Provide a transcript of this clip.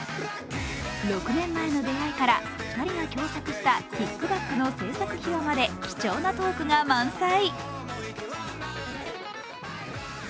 ６年前の出会いから２人が共作した「ＫＩＣＫＢＡＣＫ」の制作秘話まで貴重なトークが満載。